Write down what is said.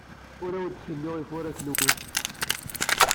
Ur awent-d-kennuɣ ifurka-nwent.